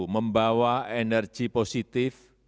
membawa energi positif